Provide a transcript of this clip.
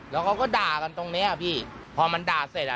แล้วเขาก็ด่ากันตรงเนี้ยพี่พอมันด่าเสร็จอ่ะ